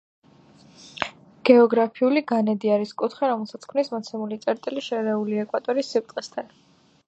გეოგრაფიული განედი არის კუთხე, რომელსაც ქმნის მოცემული წერტილის შვეული ეკვატორის სიბრტყესთან.